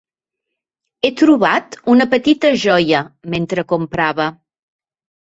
He trobat una petita joia mentre comprava.